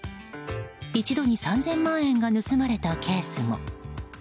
一度に３０００万円が盗まれたケースも。